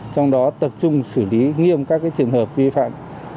trong đó tập trung xử lý nghiêm các trường hợp vi phạm